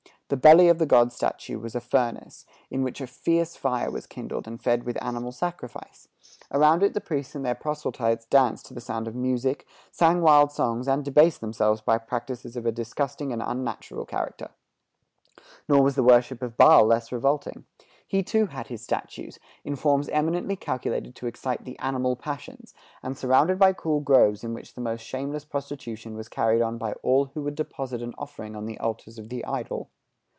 The belly of the god's statue was a furnace, in which a fierce fire was kindled and fed with animal sacrifice; around it the priests and their proselytes danced to the sound of music, sang wild songs, and debased themselves by practices of a disgusting and unnatural character. Nor was the worship of Baal less revolting. He too had his statues, in forms eminently calculated to excite the animal passions, and surrounded by cool groves in which the most shameless prostitution was carried on by all who would deposit an offering on the altars of the idol.